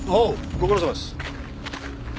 ご苦労さまです。